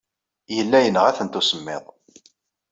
Yella yenɣa-tent usemmiḍ.